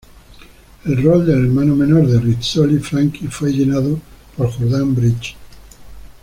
El rol del hermano menor de Rizzoli, Frankie, fue llenado por Jordan Bridges.